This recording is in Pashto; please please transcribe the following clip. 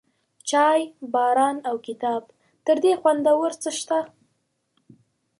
چای، باران، او کتاب، تر دې خوندور څه شته؟